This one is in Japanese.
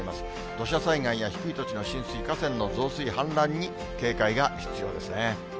土砂災害や低い土地の浸水、河川の増水、氾濫に警戒が必要ですね。